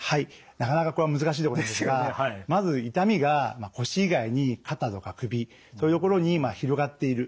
なかなかこれは難しいところですがまず痛みが腰以外に肩とか首そういう所に広がっている。